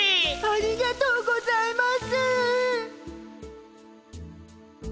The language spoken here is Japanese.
ありがとうございます！